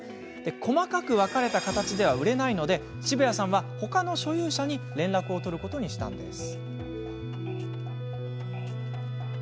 細かく分かれた形では売れないため渋谷さんは、ほかの所有者に連絡を取ることにしました。